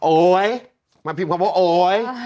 โอ๊ยมาพิมพ์คำว่าโอ๊ย